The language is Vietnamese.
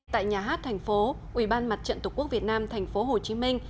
tại nhà hát thành phố ủy ban mặt trận tổ quốc việt nam thành phố hồ chí minh